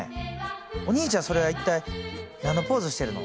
お兄ちゃんそれは一体何のポーズしてるの？